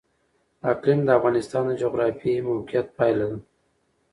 اقلیم د افغانستان د جغرافیایي موقیعت پایله ده.